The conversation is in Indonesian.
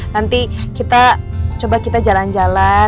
nanti kita coba kita jalan jalan